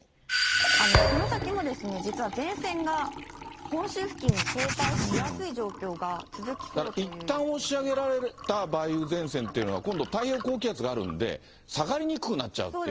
この先も実は前線が本州付近に停滞しやすい状況が続きそうなだからいったん押し上げられた梅雨前線っていうのが、今度太平洋高気圧があるので、下がりにくくなっちゃうという。